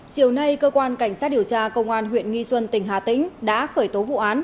chiều nay cơ quan cảnh sát điều tra công an huyện nghi xuân tỉnh hà tĩnh đã khởi tố vụ án